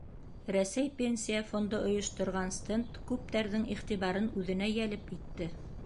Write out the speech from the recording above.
Рәсәй Пенсия фонды ойошторған стенд күптәрҙең иғтибарын үҙенә йәлеп итте.